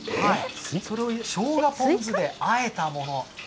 これをしょうがポン酢であえたもの。